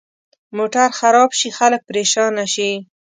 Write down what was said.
موټر خراب شي، خلک پرېشانه شي.